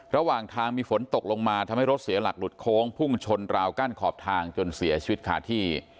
ระหว่างทางมีฝนตกลงมาทำให้รถเสียหลักหลุดโค้งพุ่งชนราวกั้นขอบทางจนเสียชีวิตขาดที่